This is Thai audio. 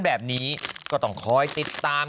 แบบนี้ก็ต้องคอยติดตาม